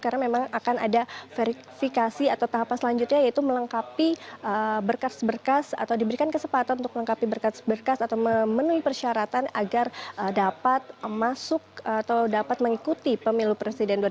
karena memang akan ada verifikasi atau tahapan selanjutnya yaitu melengkapi berkas berkas atau diberikan kesempatan untuk melengkapi berkas berkas atau memenuhi persyaratan agar dapat masuk atau dapat mengikuti pemilu presiden